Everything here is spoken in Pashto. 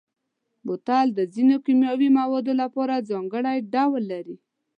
بوتل د ځینو کیمیاوي موادو لپاره ځانګړی ډول لري.